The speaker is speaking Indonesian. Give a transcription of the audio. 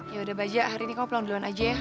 ya udah baja hari ini kamu pulang duluan aja ya